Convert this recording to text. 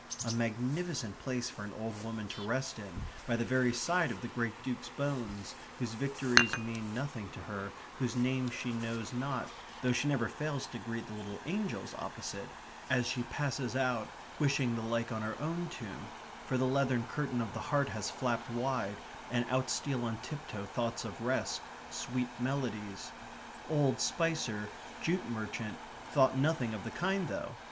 A magnificent place for an old woman to rest in, by the very side of the great Duke's bones, whose victories mean nothing to her, whose name she knows not, though she never fails to greet the little angels opposite, as she passes out, wishing the like on her own tomb, for the leathern curtain of the heart has flapped wide, and out steal on tiptoe thoughts of rest, sweet melodies.... Old Spicer, jute merchant, thought nothing of the kind though.